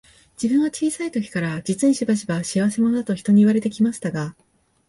自分は小さい時から、実にしばしば、仕合せ者だと人に言われて来ましたが、